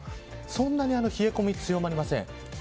そんなに冷え込みが強まりません。